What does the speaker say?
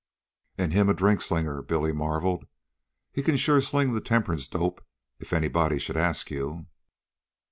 "An' him a drink slinger!" Billy marveled. "He can sure sling the temperance dope if anybody should ask you."